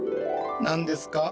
何ですか？